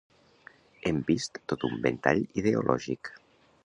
Hem vist tot un ventall ideològic.